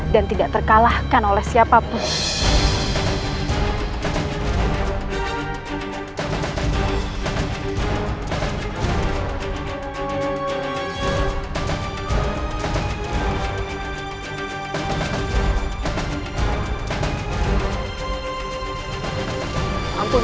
dan tidak terkalahkan oleh siapapun